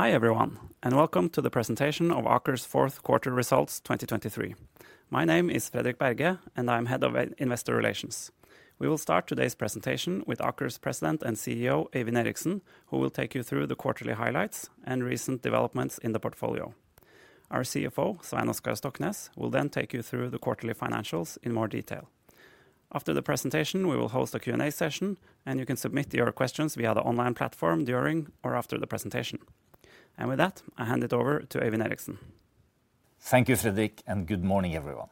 Hi everyone, and welcome to the presentation of Aker's fourth quarter results 2023. My name is Fredrik Berge, and I'm head of investor relations. We will start today's presentation with Aker's President and CEO, Øyvind Eriksen, who will take you through the quarterly highlights and recent developments in the portfolio. Our CFO, Svein Oskar Stoknes, will then take you through the quarterly financials in more detail. After the presentation, we will host a Q&A session, and you can submit your questions via the online platform during or after the presentation. With that, I hand it over to Øyvind Eriksen. Thank you, Fredrik, and good morning everyone.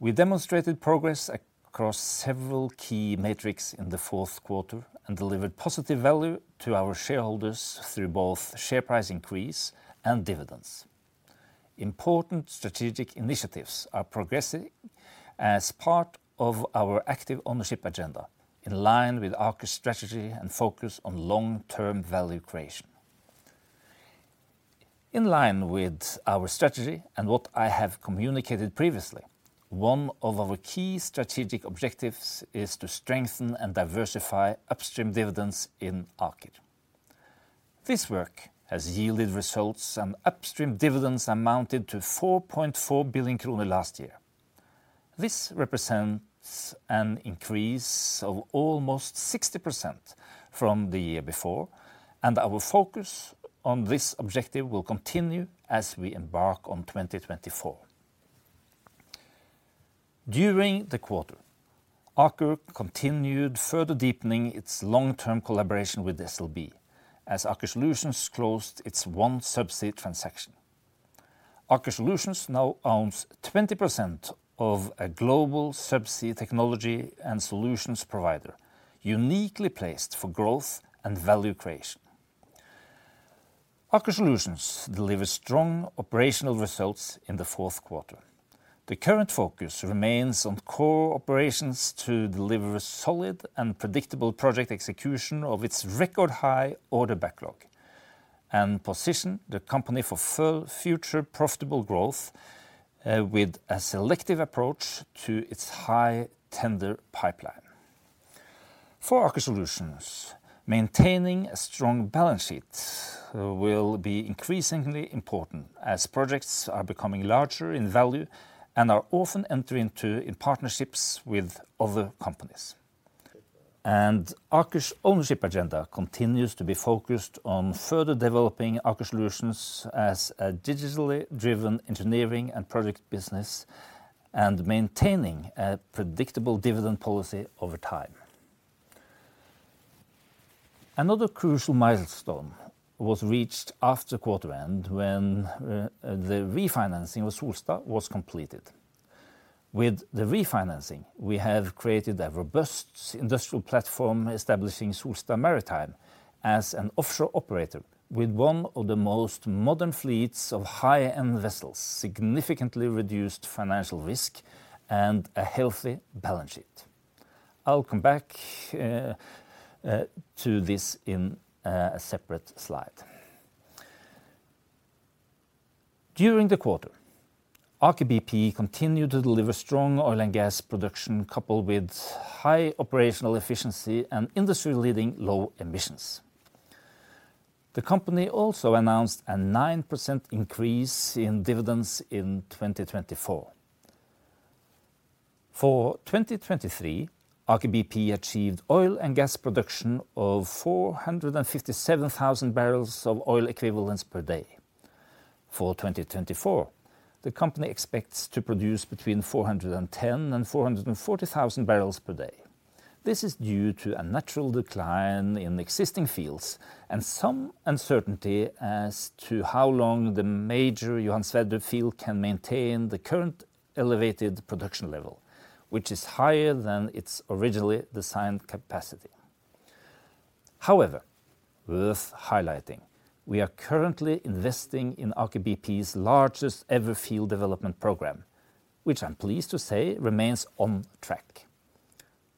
We demonstrated progress across several key metrics in the fourth quarter and delivered positive value to our shareholders through both share price increase and dividends. Important strategic initiatives are progressing as part of our active ownership agenda, in line with Aker's strategy and focus on long-term value creation. In line with our strategy and what I have communicated previously, one of our key strategic objectives is to strengthen and diversify upstream dividends in Aker. This work has yielded results, and upstream dividends amounted to 4.4 billion kroner last year. This represents an increase of almost 60% from the year before, and our focus on this objective will continue as we embark on 2024. During the quarter, Aker continued further deepening its long-term collaboration with SLB, as Aker Solutions closed its OneSubsea transaction. Aker Solutions now owns 20% of a global subsea technology and solutions provider, uniquely placed for growth and value creation. Aker Solutions delivered strong operational results in the fourth quarter. The current focus remains on core operations to deliver a solid and predictable project execution of its record-high order backlog, and position the company for future profitable growth with a selective approach to its high tender pipeline. For Aker Solutions, maintaining a strong balance sheet will be increasingly important as projects are becoming larger in value and are often entering into partnerships with other companies. And Aker's ownership agenda continues to be focused on further developing Aker Solutions as a digitally driven engineering and project business, and maintaining a predictable dividend policy over time. Another crucial milestone was reached after quarter-end when the refinancing of Solstad was completed. With the refinancing, we have created a robust industrial platform establishing Solstad Maritime as an offshore operator with one of the most modern fleets of high-end vessels, significantly reduced financial risk, and a healthy balance sheet. I'll come back to this in a separate slide. During the quarter, Aker BP continued to deliver strong oil and gas production coupled with high operational efficiency and industry-leading low emissions. The company also announced a 9% increase in dividends in 2024. For 2023, Aker BP achieved oil and gas production of 457,000 barrels of oil equivalents per day. For 2024, the company expects to produce between 410,000 barrels-440,000 barrels per day. This is due to a natural decline in existing fields and some uncertainty as to how long the major Johan Sverdrup field can maintain the current elevated production level, which is higher than its originally designed capacity. However, worth highlighting, we are currently investing in Aker BP's largest ever field development program, which I'm pleased to say remains on track.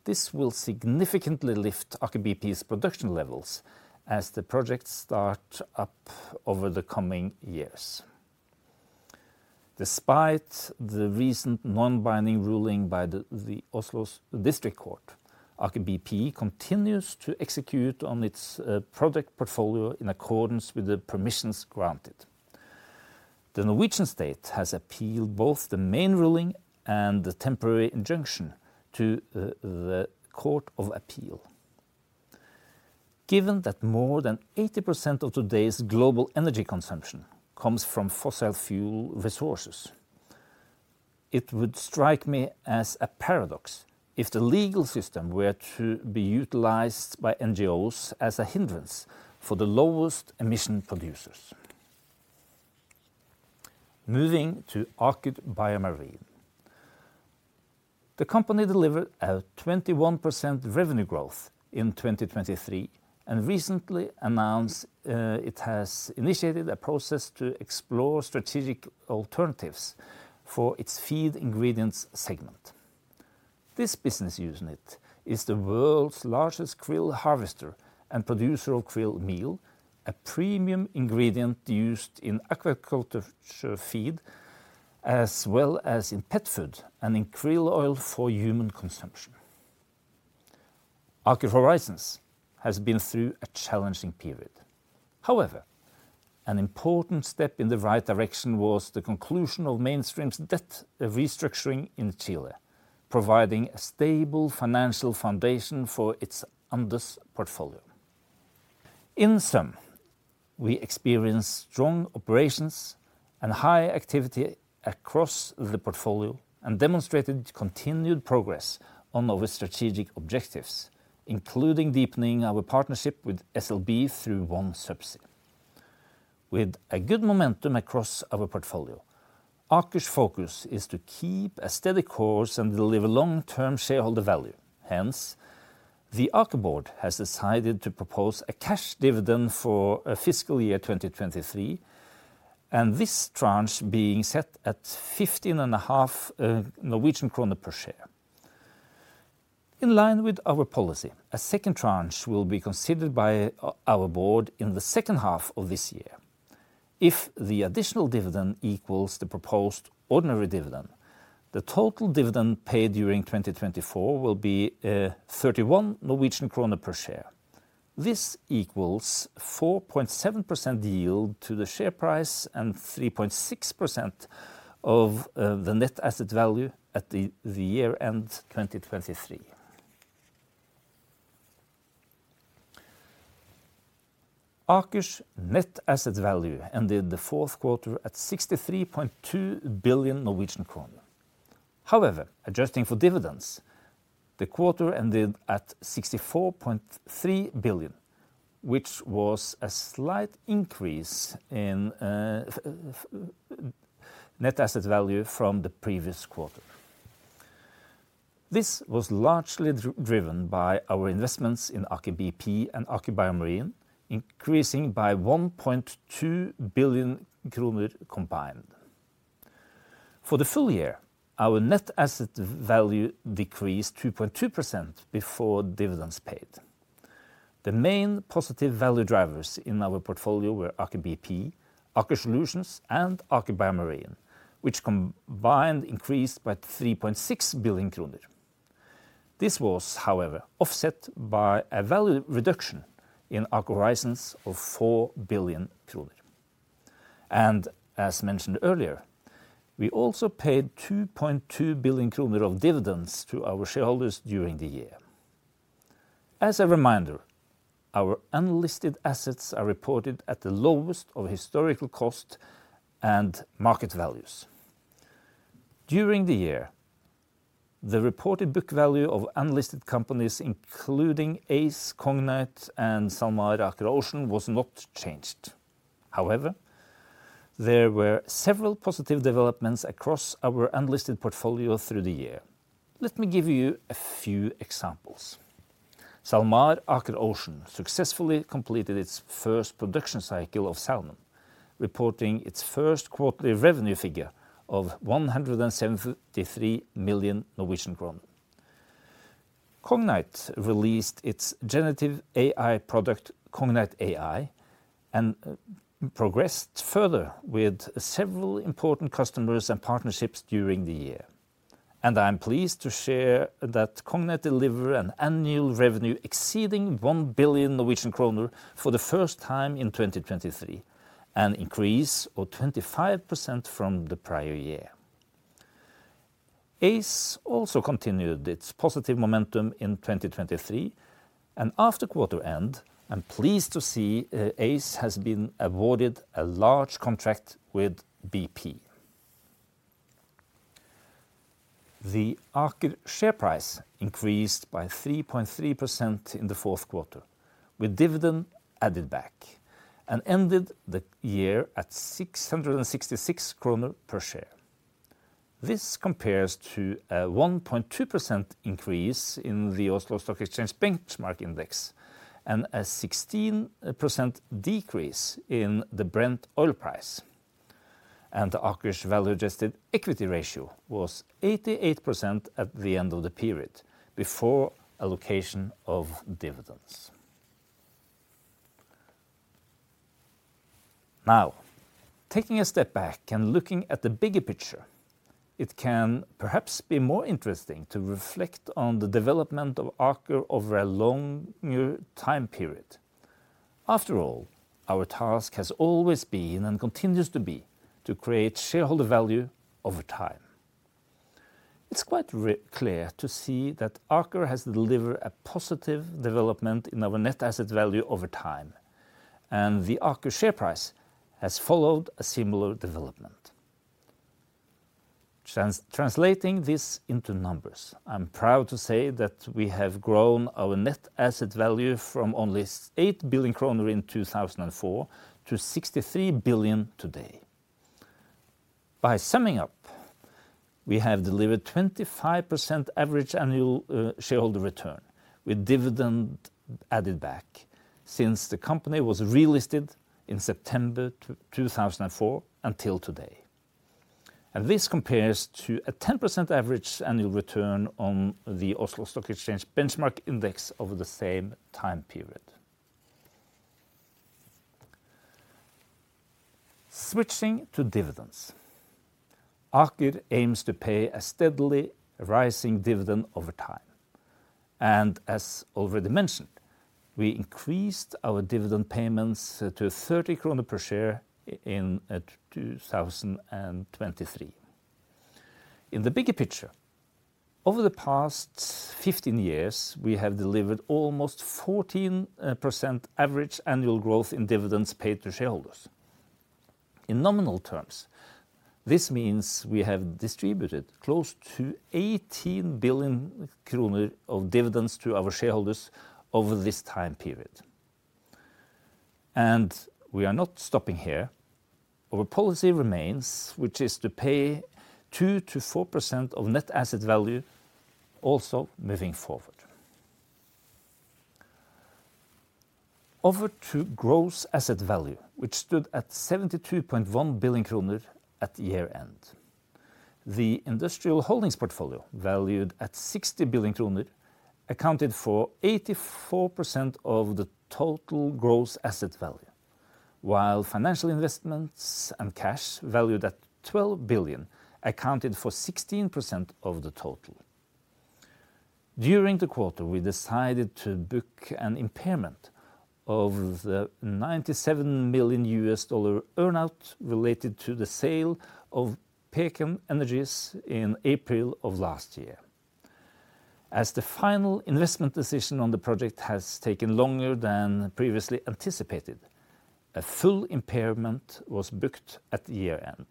This will significantly lift Aker BP's production levels as the projects start up over the coming years. Despite the recent non-binding ruling by the Oslo District Court, Aker BP continues to execute on its project portfolio in accordance with the permissions granted. The Norwegian state has appealed both the main ruling and the temporary injunction to the Court of Appeal. Given that more than 80% of today's global energy consumption comes from fossil fuel resources, it would strike me as a paradox if the legal system were to be utilized by NGOs as a hindrance for the lowest emission producers. Moving to Aker BioMarine. The company delivered a 21% revenue growth in 2023 and recently announced it has initiated a process to explore strategic alternatives for its feed ingredients segment. This business unit is the world's largest krill harvester and producer of krill meal, a premium ingredient used in aquaculture feed as well as in pet food and in krill oil for human consumption. Aker Horizons has been through a challenging period. However, an important step in the right direction was the conclusion of Mainstream's debt restructuring in Chile, providing a stable financial foundation for its Horizons portfolio. In sum, we experienced strong operations and high activity across the portfolio and demonstrated continued progress on our strategic objectives, including deepening our partnership with SLB through OneSubsea. With a good momentum across our portfolio, Aker's focus is to keep a steady course and deliver long-term shareholder value. Hence, the Aker board has decided to propose a cash dividend for fiscal year 2023, and this tranche being set at 15.5 Norwegian kroner per share. In line with our policy, a second tranche will be considered by our board in the second half of this year. If the additional dividend equals the proposed ordinary dividend, the total dividend paid during 2024 will be 31 Norwegian krone per share. This equals a 4.7% yield to the share price and 3.6% of the net asset value at the year-end 2023. Aker's net asset value ended the fourth quarter at 63.2 billion Norwegian kroner. However, adjusting for dividends, the quarter ended at 64.3 billion, which was a slight increase in net asset value from the previous quarter. This was largely driven by our investments in Aker BP and Aker BioMarine, increasing by 1.2 billion kroner combined. For the full-year, our net asset value decreased 2.2% before dividends paid. The main positive value drivers in our portfolio were Aker BP, Aker Solutions, and Aker BioMarine, which combined increased by 3.6 billion kroner. This was, however, offset by a value reduction in Aker Horizons of 4 billion kroner. As mentioned earlier, we also paid 2.2 billion kroner of dividends to our shareholders during the year. As a reminder, our unlisted assets are reported at the lowest of historical cost and market values. During the year, the reported book value of unlisted companies, including, Aize, Cognite, and SalMar Aker Ocean, was not changed. However, there were several positive developments across our unlisted portfolio through the year. Let me give you a few examples. SalMar Aker Ocean successfully completed its first production cycle of salmon, reporting its first quarterly revenue figure of 173 million. Cognite released its generative AI product, Cognite AI, and progressed further with several important customers and partnerships during the year. I'm pleased to share that Cognite delivered an annual revenue exceeding 1 billion Norwegian kroner for the first time in 2023, an increase of 25% from the prior year. Aize also continued its positive momentum in 2023, and after quarter-end, I'm pleased to see Aize has been awarded a large contract with BP. The Aker share price increased by 3.3% in the fourth quarter, with dividend added back, and ended the year at 666 kroner per share. This compares to a 1.2% increase in the Oslo Stock Exchange Benchmark Index and a 16% decrease in the Brent oil price. Aker's value-adjusted equity ratio was 88% at the end of the period before allocation of dividends. Now, taking a step back and looking at the bigger picture, it can perhaps be more interesting to reflect on the development of Aker over a longer time period. After all, our task has always been and continues to be to create shareholder value over time. It's quite clear to see that Aker has delivered a positive development in our net asset value over time, and the Aker share price has followed a similar development. Translating this into numbers, I'm proud to say that we have grown our net asset value from only 8 billion kroner in 2004 to 63 billion today. By summing up, we have delivered 25% average annual shareholder return with dividend added back since the company was relisted in September 2004 until today. This compares to a 10% average annual return on the Oslo Stock Exchange Benchmark Index over the same time period. Switching to dividends. Aker aims to pay a steadily rising dividend over time. As already mentioned, we increased our dividend payments to 30 kroner per share in 2023. In the bigger picture, over the past 15 years, we have delivered almost 14% average annual growth in dividends paid to shareholders. In nominal terms, this means we have distributed close to 18 billion kroner of dividends to our shareholders over this time period. We are not stopping here. Our policy remains, which is to pay 2%-4% of net asset value also moving forward. Over to gross asset value, which stood at 72.1 billion kroner at year-end. The industrial holdings portfolio, valued at 60 billion kroner, accounted for 84% of the total gross asset value, while financial investments and cash valued at 12 billion accounted for 16% of the total. During the quarter, we decided to book an impairment of the $97 million earnout related to the sale of Pecan Energies in April of last year. As the final investment decision on the project has taken longer than previously anticipated, a full impairment was booked at year-end.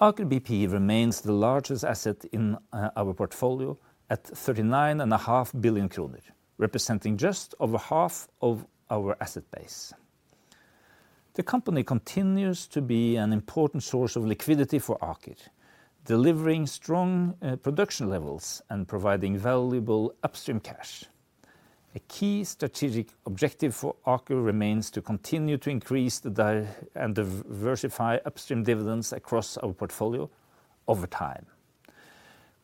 Aker BP remains the largest asset in our portfolio at 39.5 billion kroner, representing just over half of our asset base. The company continues to be an important source of liquidity for Aker, delivering strong production levels and providing valuable upstream cash. A key strategic objective for Aker remains to continue to increase and diversify upstream dividends across our portfolio over time.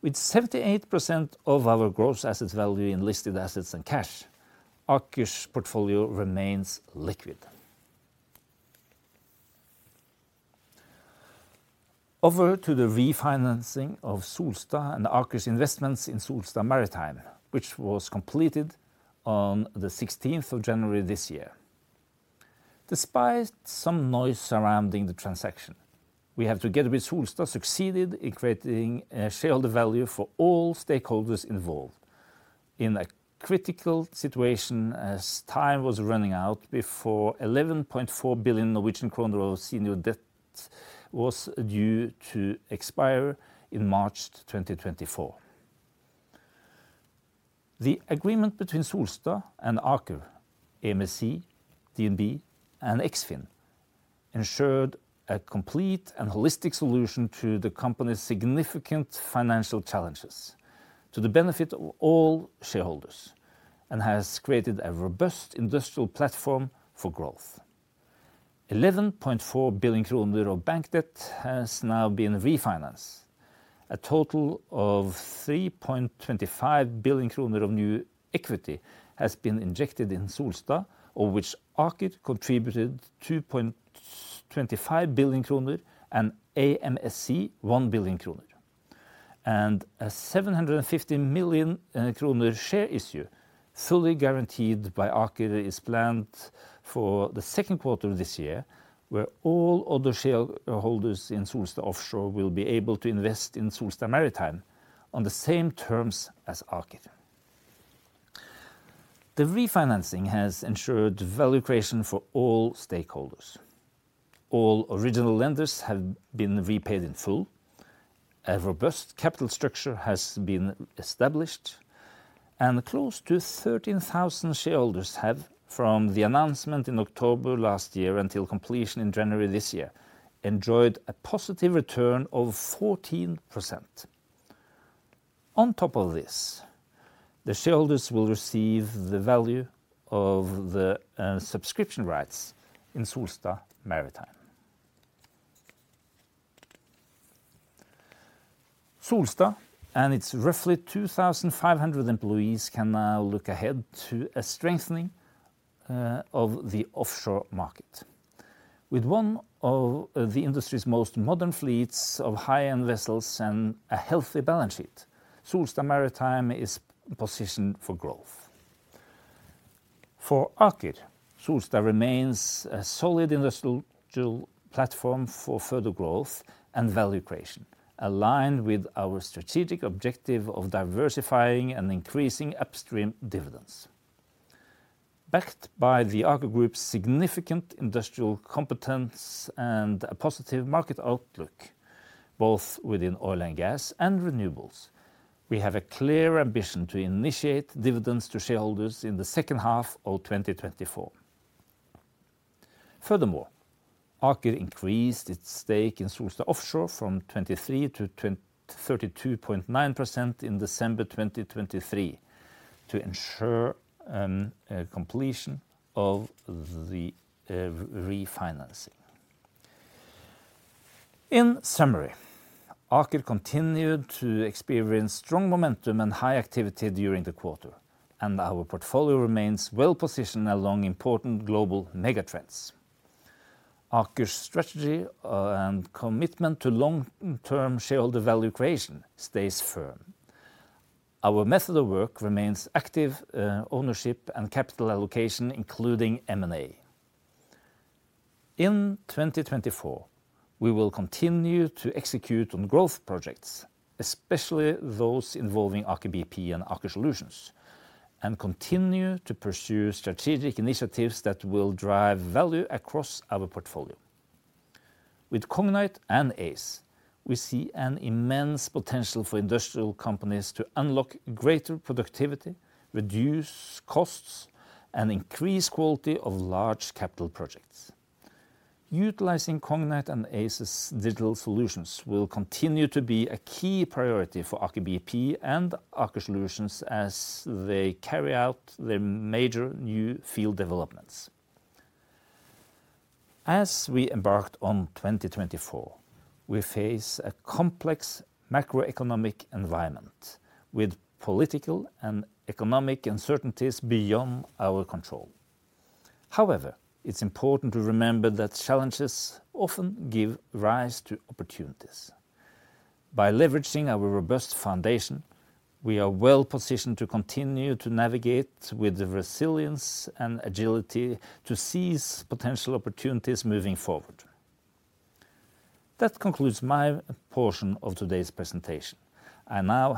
With 78% of our gross asset value in listed assets and cash, Aker's portfolio remains liquid. Over to the refinancing of Solstad and Aker's investments in Solstad Maritime, which was completed on the 16th of January this year. Despite some noise surrounding the transaction, we have, together with Solstad, succeeded in creating shareholder value for all stakeholders involved. In a critical situation, as time was running out, before 11.4 billion Norwegian kroner of senior debt was due to expire in March 2024. The agreement between Solstad and Aker, AMSC, DNB, and Eksfin, ensured a complete and holistic solution to the company's significant financial challenges to the benefit of all shareholders and has created a robust industrial platform for growth. 11.4 billion kroner of bank debt has now been refinanced. A total of 3.25 billion kroner of new equity has been injected in Solstad, of which Aker contributed 2.25 billion kroner and AMSC 1 billion kroner. And a 750 million kroner share issue, fully guaranteed by Aker, is planned for the second quarter of this year, where all other shareholders in Solstad Offshore will be able to invest in Solstad Maritime on the same terms as Aker. The refinancing has ensured value creation for all stakeholders. All original lenders have been repaid in full. A robust capital structure has been established. And close to 13,000 shareholders have, from the announcement in October last year until completion in January this year, enjoyed a positive return of 14%. On top of this, the shareholders will receive the value of the subscription rights in Solstad Maritime. Solstad and its roughly 2,500 employees can now look ahead to a strengthening of the offshore market. With one of the industry's most modern fleets of high-end vessels and a healthy balance sheet, Solstad Maritime is positioned for growth. For Aker, Solstad remains a solid industrial platform for further growth and value creation, aligned with our strategic objective of diversifying and increasing upstream dividends. Backed by the Aker Group's significant industrial competence and a positive market outlook, both within oil and gas and renewables, we have a clear ambition to initiate dividends to shareholders in the second half of 2024. Furthermore, Aker increased its stake in Solstad Offshore from 23% to 32.9% in December 2023 to ensure completion of the refinancing. In summary, Aker continued to experience strong momentum and high activity during the quarter, and our portfolio remains well-positioned along important global megatrends. Aker's strategy and commitment to long-term shareholder value creation stays firm. Our method of work remains active ownership and capital allocation, including M&A. In 2024, we will continue to execute on growth projects, especially those involving Aker BP and Aker Solutions, and continue to pursue strategic initiatives that will drive value across our portfolio. With Cognite and Aize, we see an immense potential for industrial companies to unlock greater productivity, reduce costs, and increase quality of large capital projects. Utilizing Cognite and Aize's digital solutions will continue to be a key priority for Aker BP and Aker Solutions as they carry out their major new field developments. As we embark on 2024, we face a complex macroeconomic environment with political and economic uncertainties beyond our control. However, it's important to remember that challenges often give rise to opportunities. By leveraging our robust foundation, we are well-positioned to continue to navigate with the resilience and agility to seize potential opportunities moving forward. That concludes my portion of today's presentation. I now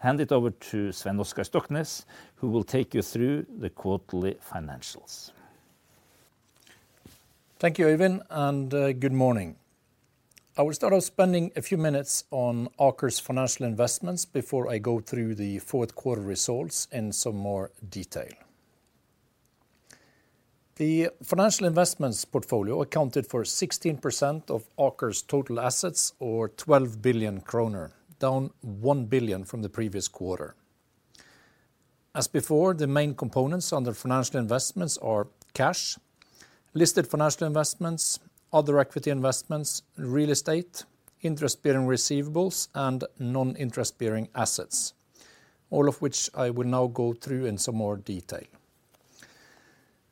hand it over to Svein Oskar Stoknes, who will take you through the quarterly financials. Thank you, Øyvind, and good morning. I will start off spending a few minutes on Aker's financial investments before I go through the fourth quarter results in some more detail. The financial investments portfolio accounted for 16% of Aker's total assets, or 12 billion kroner, down 1 billion from the previous quarter. As before, the main components under financial investments are cash, listed financial investments, other equity investments, real estate, interest-bearing receivables, and non-interest-bearing assets, all of which I will now go through in some more detail.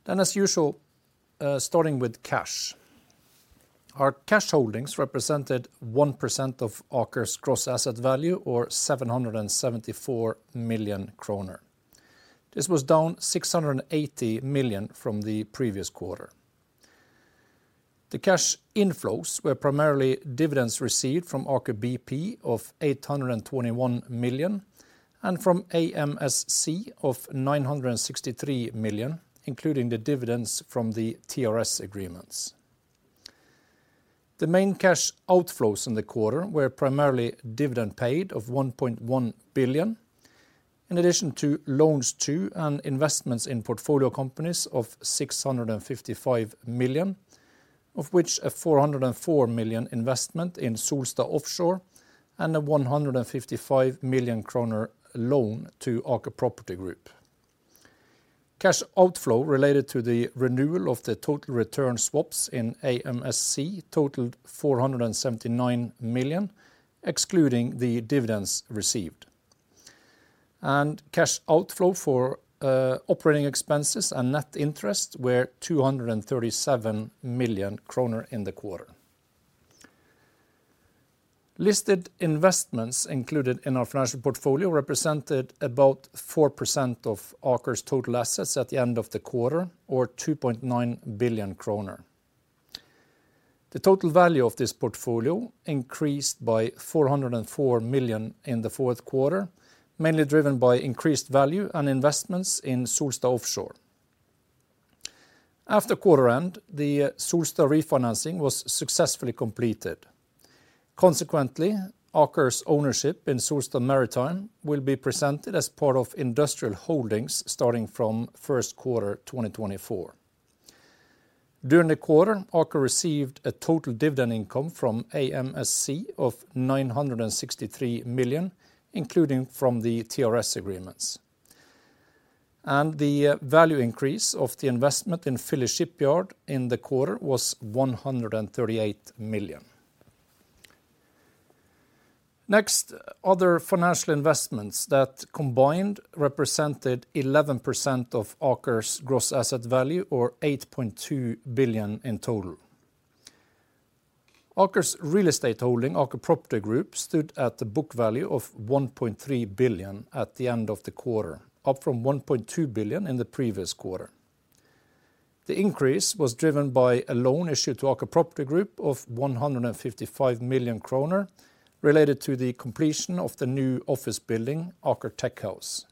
As usual, starting with cash. Our cash holdings represented 1% of Aker's gross asset value, or 774 million kroner. This was down 680 million from the previous quarter. The cash inflows were primarily dividends received from Aker BP of 821 million and from AMSC of 963 million, including the dividends from the TRS agreements. The main cash outflows in the quarter were primarily dividend paid of 1.1 billion, in addition to loans to and investments in portfolio companies of 655 million, of which a 404 million investment in Solstad Offshore and a 155 million kroner loan to Aker Property Group. Cash outflow related to the renewal of the total return swaps in AMSC totaled 479 million, excluding the dividends received. Cash outflow for operating expenses and net interest were 237 million kroner in the quarter. Listed investments included in our financial portfolio represented about 4% of Aker's total assets at the end of the quarter, or 2.9 billion kroner. The total value of this portfolio increased by 404 million in the fourth quarter, mainly driven by increased value and investments in Solstad Offshore. After quarter-end, the Solstad refinancing was successfully completed. Consequently, Aker's ownership in Solstad Maritime will be presented as part of industrial holdings starting from first quarter 2024. During the quarter, Aker received a total dividend income from AMSC of 963 million, including from the TRS agreements. The value increase of the investment in Philly Shipyard in the quarter was 138 million. Next, other financial investments that combined represented 11% of Aker's gross asset value, or 8.2 billion in total. Aker's real estate holding, Aker Property Group, stood at a book value of 1.3 billion at the end of the quarter, up from 1.2 billion in the previous quarter. The increase was driven by a loan issued to Aker Property Group of 155 million kroner related to the completion of the new office building, Aker Tech House.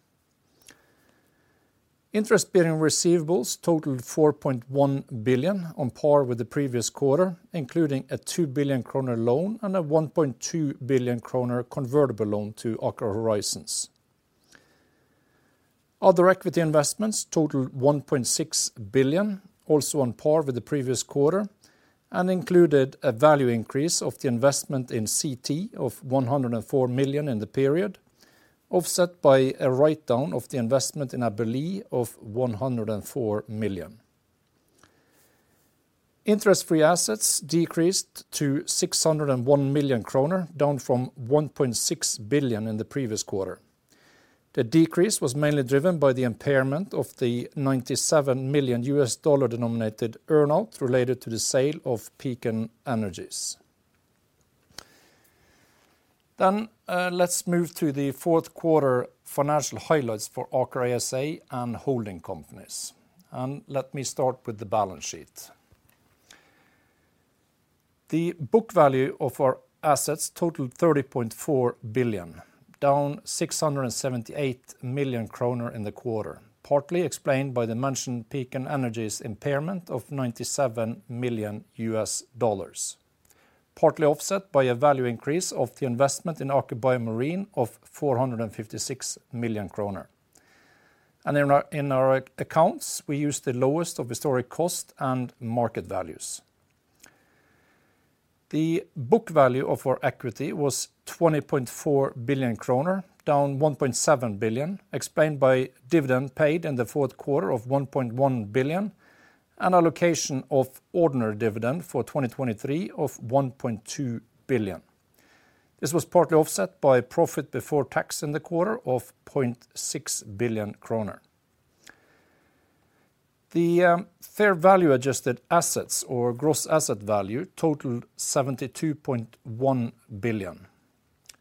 Interest-bearing receivables totaled 4.1 billion, on par with the previous quarter, including a 2 billion kroner loan and a 1.2 billion kroner convertible loan to Aker Horizons. Other equity investments totaled 1.6 billion, also on par with the previous quarter, and included a value increase of the investment in Seetee of 104 million in the period, offset by a write-down of the investment in Abelee of 104 million. Interest-free assets decreased to 601 million kroner, down from 1.6 billion in the previous quarter. The decrease was mainly driven by the impairment of the $97 million denominated earnout related to the sale of Pecan Energies. Then, let's move to the fourth quarter financial highlights for Aker ASA and holding companies. Let me start with the balance sheet. The book value of our assets totaled 30.4 billion, down 678 million kroner in the quarter, partly explained by the mentioned Pecan Energies impairment of $97 million, partly offset by a value increase of the investment in Aker BioMarine of 456 million kroner. And in our accounts, we used the lowest of historic cost and market values. The book value of our equity was 20.4 billion kroner, down 1.7 billion, explained by dividend paid in the fourth quarter of 1.1 billion and allocation of ordinary dividend for 2023 of 1.2 billion. This was partly offset by profit before tax in the quarter of 0.6 billion kroner. The fair value-adjusted assets, or Gross Asset Value, totaled 72.1 billion.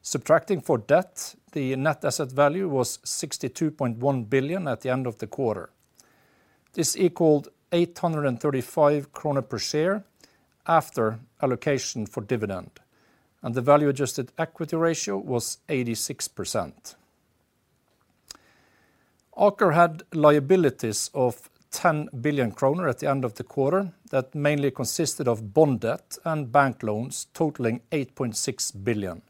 Subtracting for debt, the Net Asset Value was 62.1 billion at the end of the quarter. This equaled 835 krone per share after allocation for dividend. And the value-adjusted equity ratio was 86%. Aker had liabilities of 10 billion kroner at the end of the quarter that mainly consisted of bond debt and bank loans totaling 8.6 billion.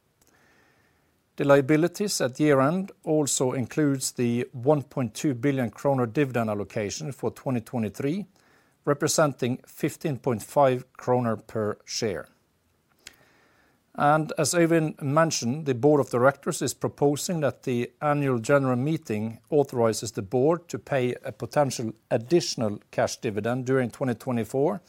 The liabilities at year-end also include the 1.2 billion kroner dividend allocation for 2023, representing 15.5 kroner per share. And as Øyvind mentioned, the board of directors is proposing that the annual general meeting authorizes the board to pay a potential additional cash dividend during 2024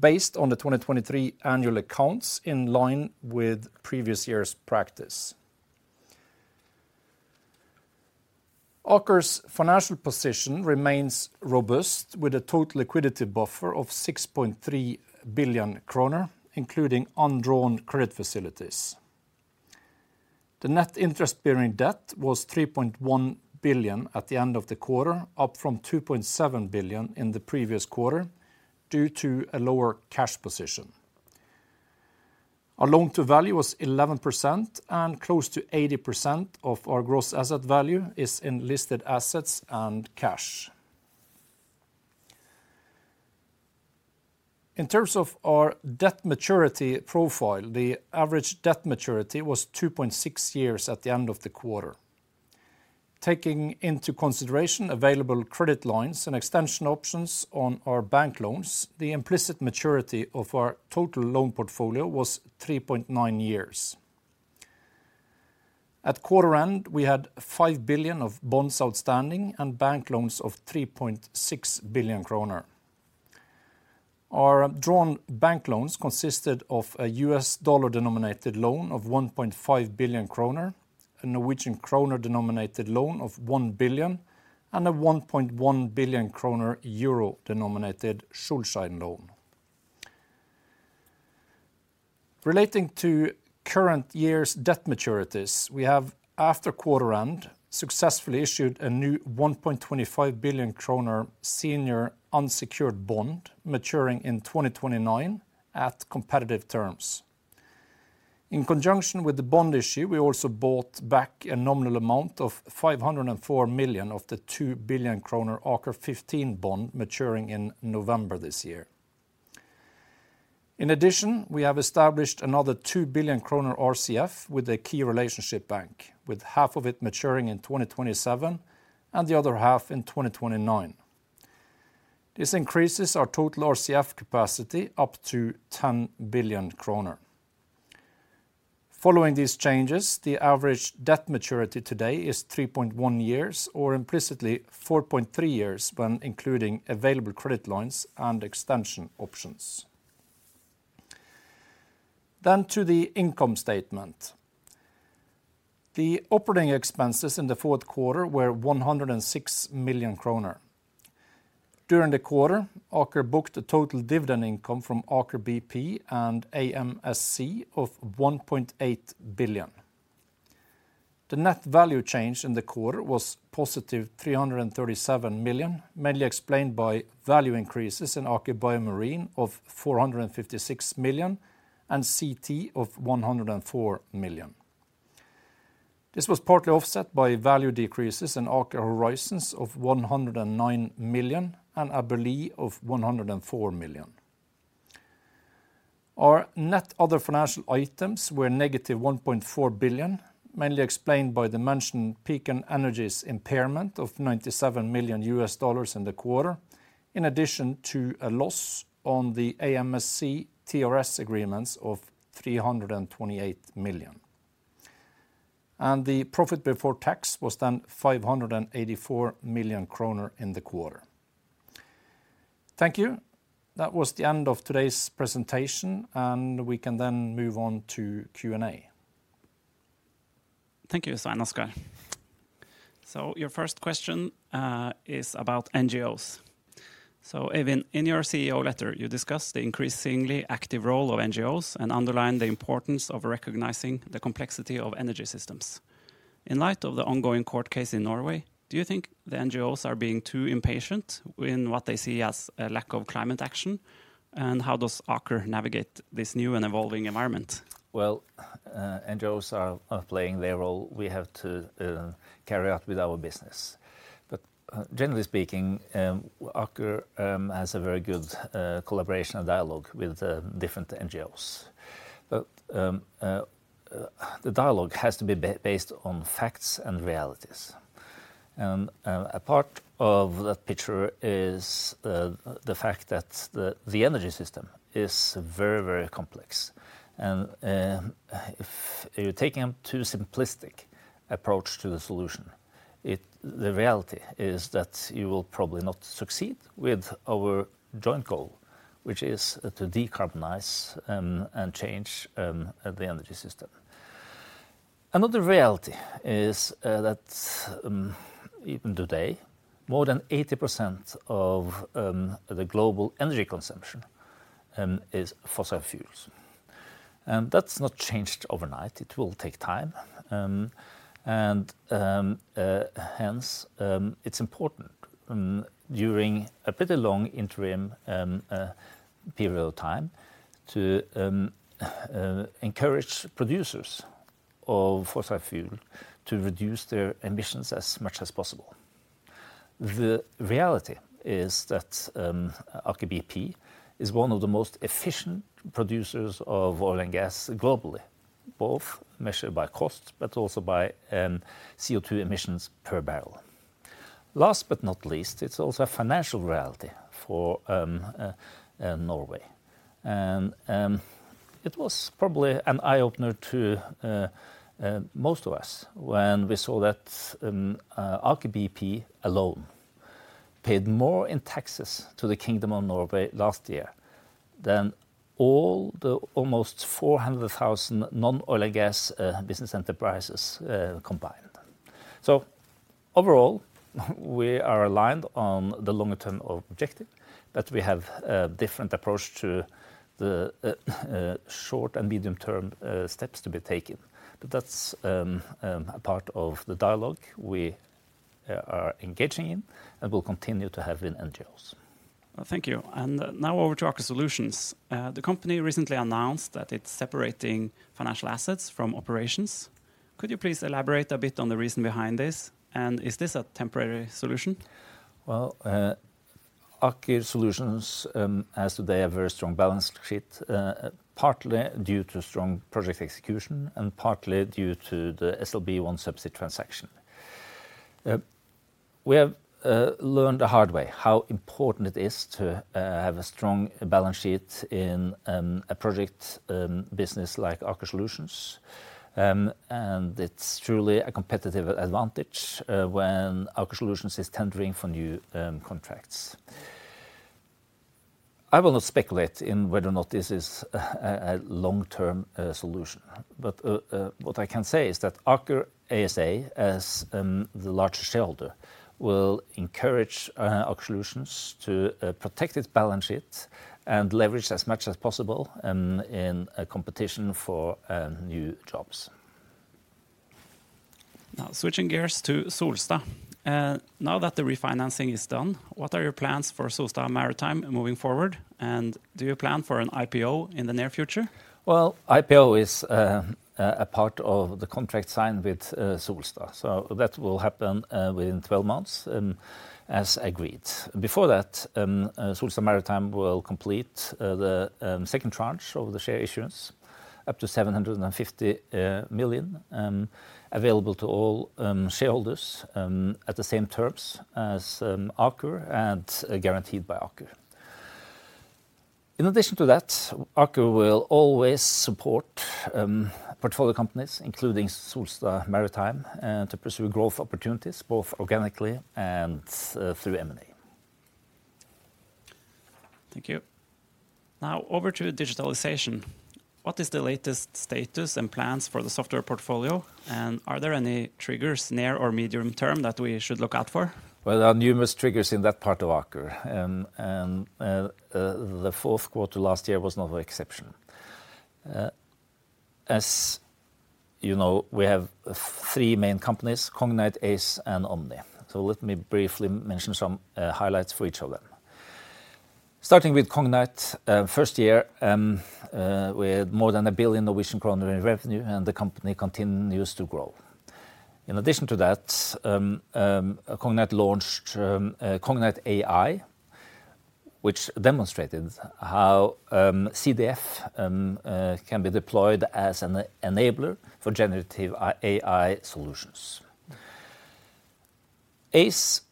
based on the 2023 annual accounts in line with previous year's practice. Aker's financial position remains robust, with a total liquidity buffer of 6.3 billion kroner, including undrawn credit facilities. The net interest-bearing debt was 3.1 billion at the end of the quarter, up from 2.7 billion in the previous quarter due to a lower cash position. Our loan-to-value was 11%, and close to 80% of our gross asset value is in listed assets and cash. In terms of our debt maturity profile, the average debt maturity was 2.6 years at the end of the quarter. Taking into consideration available credit lines and extension options on our bank loans, the implicit maturity of our total loan portfolio was three point nine years. At quarter-end, we had 5 billion of bonds outstanding and bank loans of 3.6 billion kroner. Our drawn bank loans consisted of a US dollar-denominated loan of 1.5 billion kroner, a Norwegian kroner-denominated loan of 1 billion, and a 1.1 billion kroner euro-denominated Schuldschein loan. Relating to current year's debt maturities, we have, after quarter-end, successfully issued a new 1.25 billion kroner senior unsecured bond maturing in 2029 at competitive terms. In conjunction with the bond issue, we also bought back a nominal amount of 504 million of the 2 billion kroner Aker 15 bond maturing in November this year. In addition, we have established another 2 billion kroner RCF with a key relationship bank, with half of it maturing in 2027 and the other half in 2029. These increases our total RCF capacity up to 10 billion kroner. Following these changes, the average debt maturity today is three point one years, or implicitly four point three years when including available credit lines and extension options. Then to the income statement. The operating expenses in the fourth quarter were 106 million kroner. During the quarter, Aker booked a total dividend income from Aker BP and AMSC of 1.8 billion. The net value change in the quarter was positive 337 million, mainly explained by value increases in Aker BioMarine of 456 million and Cognite of 104 million. This was partly offset by value decreases in Aker Horizons of 109 million and Abelee of 104 million. Our net other financial items were -1.4 billion, mainly explained by the mentioned Pecan Energies impairment of $97 million in the quarter, in addition to a loss on the AMSC TRS agreements of 328 million. The profit before tax was then 584 million kroner in the quarter. Thank you. That was the end of today's presentation, and we can then move on to Q&A. Thank you, Svein Oskar. So your first question is about NGOs. So Øyvind, in your CEO letter, you discuss the increasingly active role of NGOs and underline the importance of recognizing the complexity of energy systems. In light of the ongoing court case in Norway, do you think the NGOs are being too impatient in what they see as a lack of climate action? And how does Aker navigate this new and evolving environment? Well, NGOs are playing their role we have to carry out with our business. But generally speaking, Aker has a very good collaboration and dialogue with different NGOs. But the dialogue has to be based on facts and realities. And a part of that picture is the fact that the energy system is very, very complex. And if you're taking a too simplistic approach to the solution, the reality is that you will probably not succeed with our joint goal, which is to decarbonize and change the energy system. Another reality is that even today, more than 80% of the global energy consumption is fossil fuels. And that's not changed overnight. It will take time. Hence, it's important during a pretty long interim period of time to encourage producers of fossil fuel to reduce their emissions as much as possible. The reality is that Aker BP is one of the most efficient producers of oil and gas globally, both measured by cost but also by CO2 emissions per barrel. Last but not least, it's also a financial reality for Norway. It was probably an eye-opener to most of us when we saw that Aker BP alone paid more in taxes to the Kingdom of Norway last year than all the almost 400,000 non-oil and gas business enterprises combined. Overall, we are aligned on the longer-term objective, but we have a different approach to the short and medium-term steps to be taken. But that's a part of the dialogue we are engaging in and will continue to have with NGOs. Thank you. And now over to Aker Solutions. The company recently announced that it's separating financial assets from operations. Could you please elaborate a bit on the reason behind this? And is this a temporary solution? Well, Aker Solutions has today a very strong balance sheet, partly due to strong project execution and partly due to the SLB OneSubsea transaction. We have learned the hard way how important it is to have a strong balance sheet in a project business like Aker Solutions. And it's truly a competitive advantage when Aker Solutions is tendering for new contracts. I will not speculate in whether or not this is a long-term solution. But what I can say is that Aker ASA, as the larger shareholder, will encourage Aker Solutions to protect its balance sheet and leverage as much as possible in competition for new jobs. Now, switching gears to Solstad. Now that the refinancing is done, what are your plans for Solstad Maritime moving forward? And do you plan for an IPO in the near future? Well, IPO is a part of the contract signed with Solstad. So that will happen within 12 months as agreed. Before that, Solstad Maritime will complete the second tranche of the share issuance, up to 750 million available to all shareholders at the same terms as Aker and guaranteed by Aker. In addition to that, Aker will always support portfolio companies, including Solstad Maritime, to pursue growth opportunities both organically and through M&A. Thank you. Now, over to digitalization. What is the latest status and plans for the software portfolio? And are there any triggers near or medium-term that we should look out for? Well, there are numerous triggers in that part of Aker. And the fourth quarter last year was not an exception. As you know, we have three main companies: Cognite, Aize, and Omny. So let me briefly mention some highlights for each of them. Starting with Cognite, first year, we had more than 1 billion Norwegian kroner in revenue, and the company continues to grow. In addition to that, Cognite launched Cognite AI, which demonstrated how CDF can be deployed as an enabler for generative AI solutions. Aize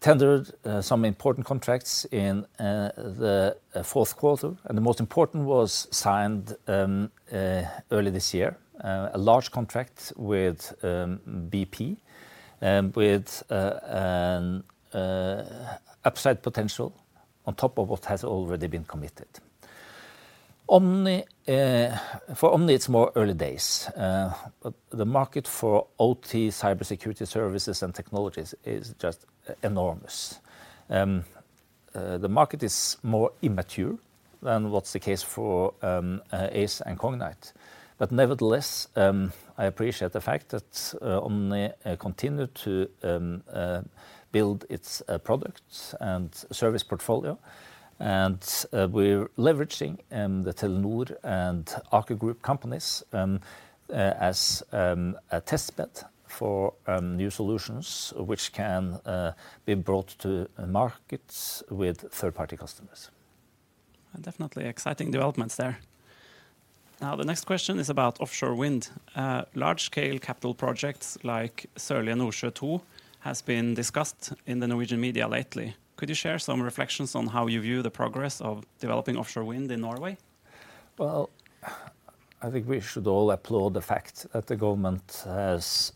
tendered some important contracts in the fourth quarter. And the most important was signed early this year, a large contract with BP with an upside potential on top of what has already been committed. For Omny, it's more early days. The market for OT cybersecurity services and technologies is just enormous. The market is more immature than what's the case for Aize and Cognite. But nevertheless, I appreciate the fact that Omny continued to build its product and service portfolio. And we're leveraging the Telenor and Aker Group companies as a testbed for new solutions which can be brought to market with third-party customers. Definitely exciting developments there. Now, the next question is about offshore wind. Large-scale capital projects like Sørlige Nordsjø II have been discussed in the Norwegian media lately. Could you share some reflections on how you view the progress of developing offshore wind in Norway? Well, I think we should all applaud the fact that the government has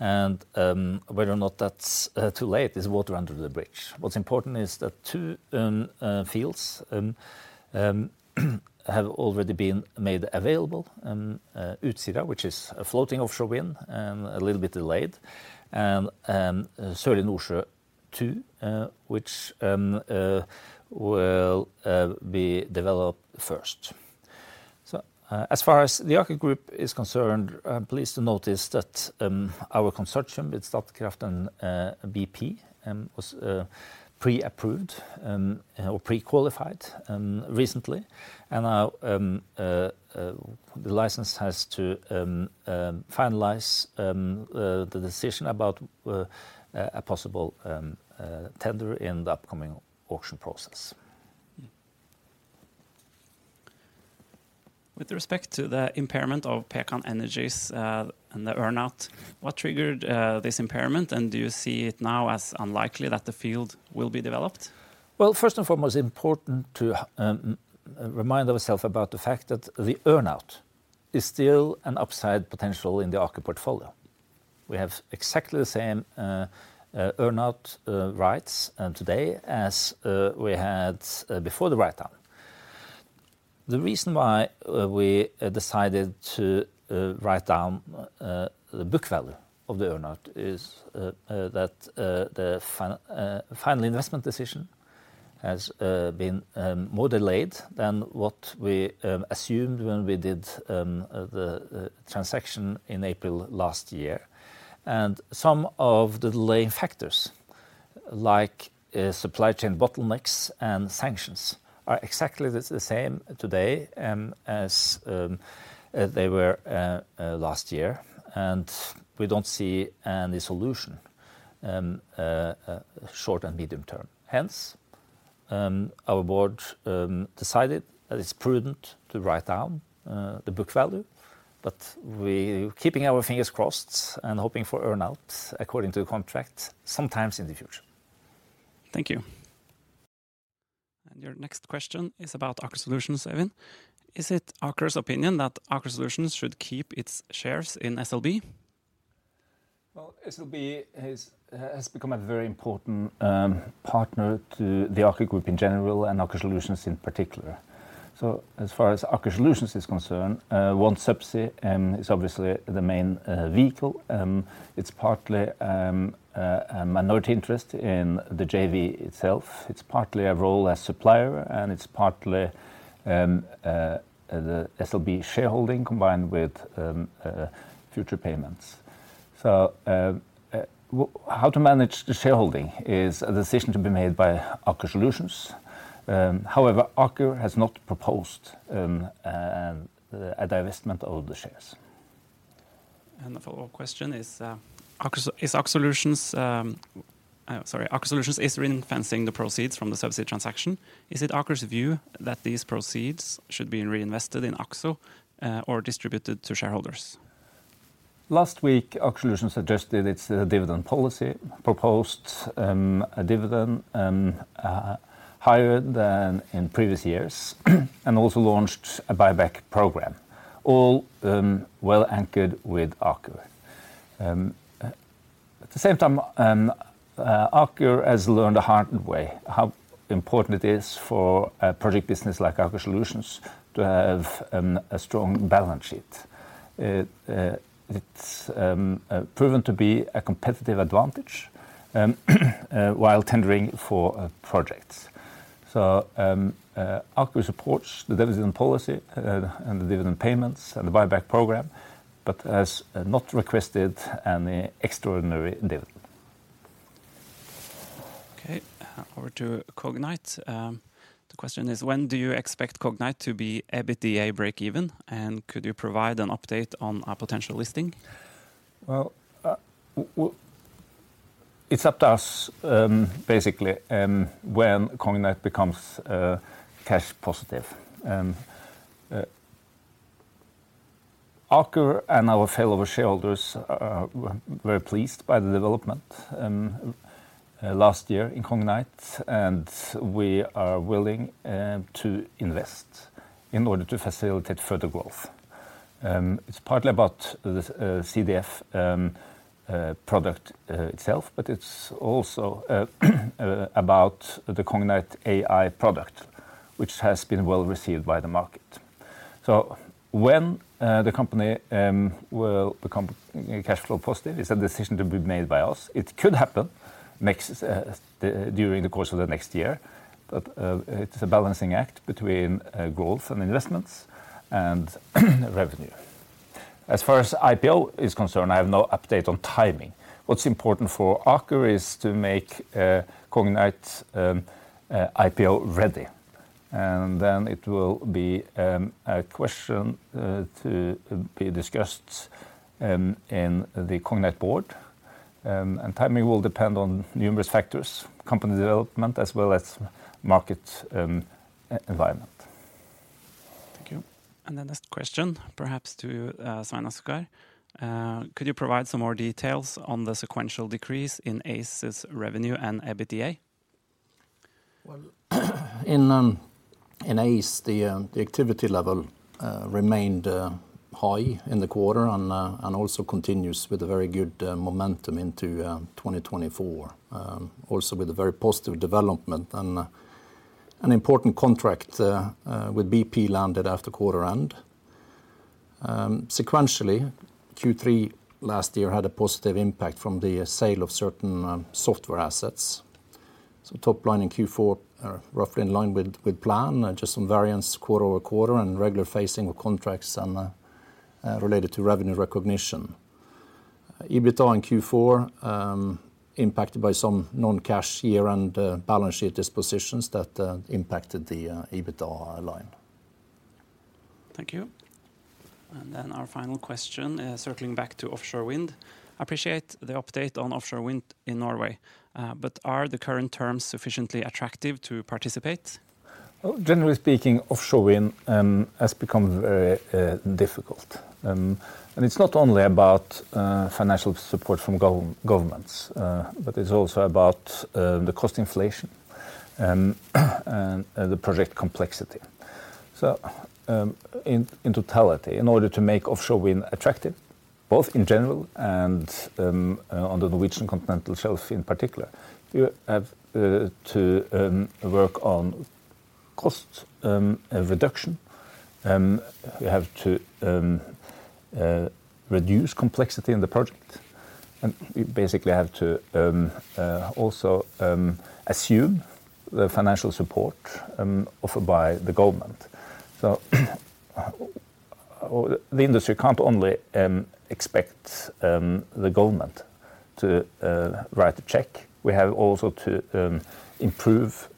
launched an ambition to develop 30 GW of offshore wind capacity on the Norwegian continental shelf. Whether or not that's too late is water under the bridge. What's important is that two fields have already been made available: Utsira, which is floating offshore wind and a little bit delayed, and Sørlige Nordsjø II, which will be developed first. As far as the Aker Group is concerned, I'm pleased to notice that our consortium with Statkraft and BP was pre-approved or pre-qualified recently. Now the license has to finalize the decision about a possible tender in the upcoming auction process. With respect to the impairment of Pecan Energies and the earnout, what triggered this impairment? Do you see it now as unlikely that the field will be developed? Well, first and foremost, it's important to remind ourselves about the fact that the earnout is still an upside potential in the Aker portfolio. We have exactly the same earnout rights today as we had before the write-down. The reason why we decided to write down the book value of the earnout is that the final investment decision has been more delayed than what we assumed when we did the transaction in April last year. And some of the delaying factors, like supply chain bottlenecks and sanctions, are exactly the same today as they were last year. And we don't see any solution short and medium-term. Hence, our board decided that it's prudent to write down the book value, but keeping our fingers crossed and hoping for earnout according to the contract sometime in the future. Thank you. And your next question is about Aker Solutions, Øyvind. Is it Aker's opinion that Aker Solutions should keep its shares in SLB? Well, SLB has become a very important partner to the Aker Group in general and Aker Solutions in particular. So as far as Aker Solutions is concerned, OneSubsea is obviously the main vehicle. It's partly a minority interest in the JV itself. It's partly a role as supplier, and it's partly the SLB shareholding combined with future payments. So how to manage the shareholding is a decision to be made by Aker Solutions. However, Aker has not proposed a divestment of the shares. The follow-up question is, is Aker Solutions reinvesting the proceeds from the OneSubsea transaction. Is it Aker's view that these proceeds should be reinvested in AKSO or distributed to shareholders? Last week, Aker Solutions suggested its dividend policy, proposed a dividend higher than in previous years, and also launched a buyback program, all well-anchored with Aker. At the same time, Aker has learned a hard way how important it is for a project business like Aker Solutions to have a strong balance sheet. It's proven to be a competitive advantage while tendering for projects. So Aker supports the dividend policy and the dividend payments and the buyback program, but has not requested any extraordinary dividend. Okay. Over to Cognite. The question is, when do you expect Cognite to be EBITDA break-even? And could you provide an update on a potential listing? Well, it's up to us, basically, when Cognite becomes cash positive. Aker and our fellow shareholders are very pleased by the development last year in Cognite. And we are willing to invest in order to facilitate further growth. It's partly about the CDF product itself, but it's also about the Cognite AI product, which has been well received by the market. So when the company will become cash flow positive, it's a decision to be made by us. It could happen during the course of the next year. But it's a balancing act between growth and investments and revenue. As far as IPO is concerned, I have no update on timing. What's important for Aker is to make Cognite IPO-ready. And then it will be a question to be discussed in the Cognite board. And timing will depend on numerous factors, company development as well as market environment. Thank you. And the next question, perhaps to Svein Oskar. Could you provide some more details on the sequential decrease in Aize's revenue and EBITDA? Well, in Aize, the activity level remained high in the quarter and also continues with a very good momentum into 2024, also with a very positive development. And an important contract with BP landed after quarter-end. Sequentially, Q3 last year had a positive impact from the sale of certain software assets. Top line in Q4 is roughly in line with plan, just some variance quarter over quarter and regular phasing of contracts related to revenue recognition. EBITDA in Q4 impacted by some non-cash year-end balance sheet dispositions that impacted the EBITDA line. Thank you. Then our final question, circling back to offshore wind. I appreciate the update on offshore wind in Norway. But are the current terms sufficiently attractive to participate? Generally speaking, offshore wind has become very difficult. And it's not only about financial support from governments, but it's also about the cost inflation and the project complexity. So in totality, in order to make offshore wind attractive, both in general and on the Norwegian continental shelf in particular, you have to work on cost reduction. You have to reduce complexity in the project. You basically have to also assume the financial support offered by the government. The industry can't only expect the government to write a check. We have also to improve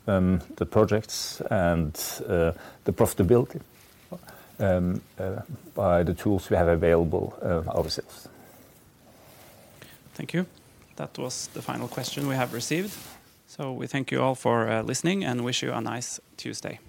the projects and the profitability by the tools we have available ourselves. Thank you. That was the final question we have received. We thank you all for listening and wish you a nice Tuesday.